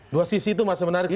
dua sisi itu masih menarik